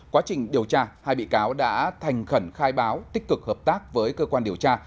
quá trình điều tra hai bị cáo đã thành khẩn khai báo tích cực hợp tác với cơ quan điều tra